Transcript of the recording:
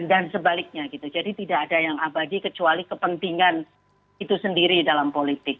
dan sebaliknya gitu jadi tidak ada yang abadi kecuali kepentingan itu sendiri dalam politik